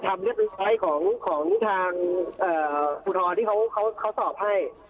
ทำเรียบรับของทางพพพทศสอบให้